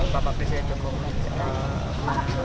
bapak presiden joko widodo